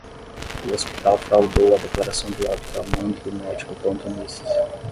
O hospital fraudou a declaração de óbito a mando do médico plantonista